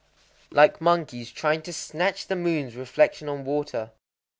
_ Like monkeys trying to snatch the moon's reflection on water.